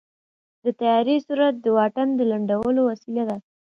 د طیارې سرعت د واټن د لنډولو وسیله ده.